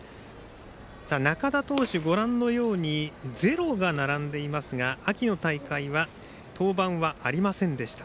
中田投手、ご覧のようにゼロが並んでいますが秋の大会は登板はありませんでした。